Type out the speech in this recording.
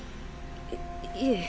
いいえ。